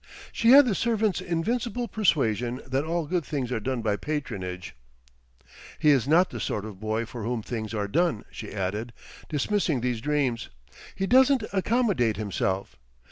She had the servant's invincible persuasion that all good things are done by patronage. "He is not the sort of boy for whom things are done," she added, dismissing these dreams. "He doesn't accommodate himself.